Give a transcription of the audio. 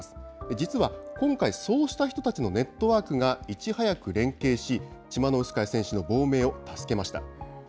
実は今回、そうした人たちのネットワークがいち早く連携し、チマノウスカヤ選手の亡命を助けました。